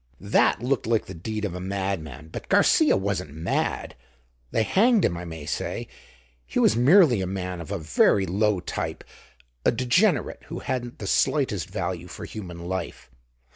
That looked like the deed of a madman, but Garcia wasn't mad—they hanged him, I may say—he was merely a man of a very low type, a degenerate who hadn't the slightest value for human life.